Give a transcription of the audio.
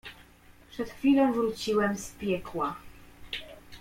"Przed chwilą wróciłem z piekła"